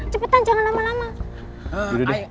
cepetan jangan lama lama